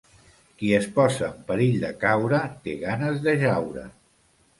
Qui es posa en perill de caure té ganes de jaure.